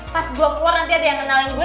pas gue keluar nanti ada yang kenalin gue